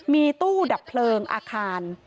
มีตู้ดับเพลิงอาคาร